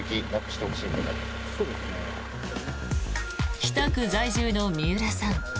北区在住の三浦さん。